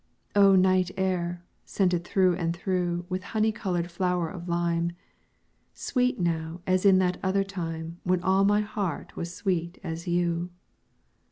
O night air, scented through and through With honey colored flower of lime, Sweet now as in that other time When all my heart was sweet as you!